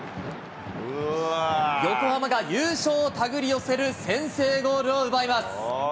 横浜が優勝を手繰り寄せる先制ゴールを奪います。